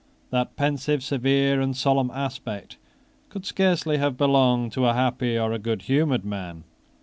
That pensive, severe, and solemn aspect could scarcely have belonged to a happy or a goodhumoured man.